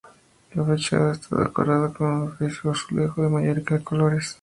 La fachada está decorada con un friso de azulejo de mayólica de colores.